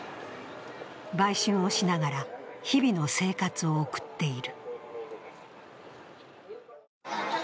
売春をしながら日々の生活を送っている。